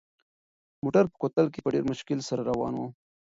موټر په کوتل کې په ډېر مشکل سره روان و.